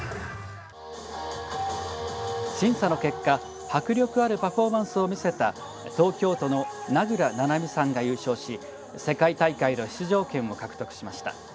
審査の結果迫力あるパフォーマンスを見せた東京都の名倉七海さんが優勝し世界大会への出場権を獲得しました。